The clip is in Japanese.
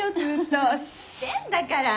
知ってんだから！